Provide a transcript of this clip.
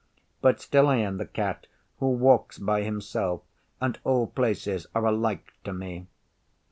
But still I am the Cat who walks by himself, and all places are alike to me.